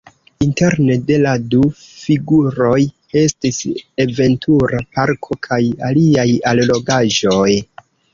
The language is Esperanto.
Interne de la du figuroj estis aventura parko kaj aliaj allogaĵoj.